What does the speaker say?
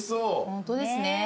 ホントですね。